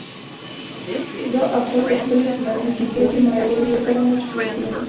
دا افراد د خپلې کورنۍ د ګېډې مړولو لپاره مجبور دي